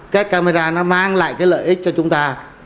cái camera nó mang lại cái lợi ích cho chúng ta